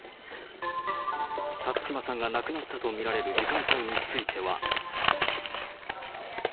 辰島さんが亡くなったと見られる時間帯については。